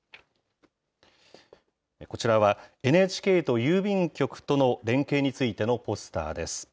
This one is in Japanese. こちらは、ＮＨＫと郵便局との連携についてのポスターです。